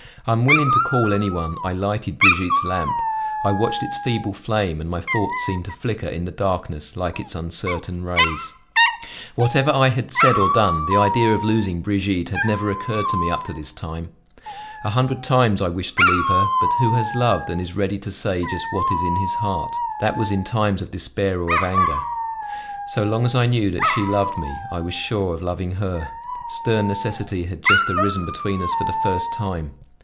Unwilling to call any one, I lighted Brigitte's lamp; I watched its feeble flame and my thoughts seemed to flicker in the darkness like its uncertain rays. Whatever I had said or done, the idea of losing Brigitte had never occurred to me up to this time. A hundred times I wished to leave her, but who has loved, and is ready to say just what is in his heart? That was in times of despair or of anger. So long as I knew that she loved me, I was sure of loving her; stern necessity had just arisen between us for the first time.